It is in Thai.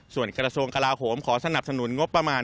ส่วนกระทรวงกลาโหมขอสนับสนุนงบประมาณ